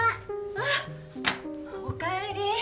あっおかえり。